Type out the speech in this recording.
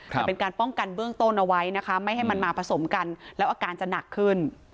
แต่เป็นการป้องกันเบื้องต้นเอาไว้นะคะไม่ให้มันมาผสมกันแล้วอาการจะหนักขึ้น